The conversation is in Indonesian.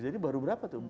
jadi baru berapa tuh